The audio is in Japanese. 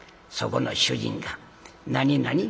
そこの主人が「何何？